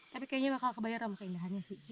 tapi kayaknya bakal kebayar sama keindahannya sih